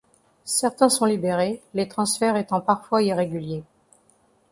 Certains sont libérés, les transferts étant parfois irréguliers.